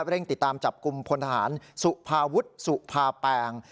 เร่งติดตามจับกลุ่มพลทหารสุภาวุฒิสุภาแปง